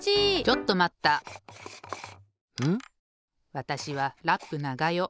わたしはラップながよ。